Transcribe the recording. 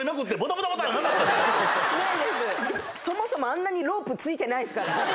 そもそもあんなにロープついてないすから・